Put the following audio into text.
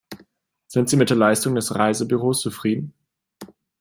Sind Sie mit der Leistung des Reisebüros zufrieden?